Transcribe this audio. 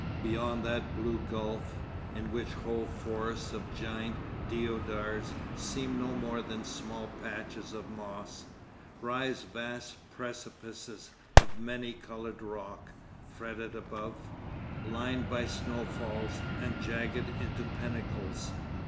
Beyond that blue gulf, in which whole forests of giant deodars seem no more than small patches of moss, rise vast precipices of many coloured rock, fretted above, lined by snowfalls, and jagged into pinnacles.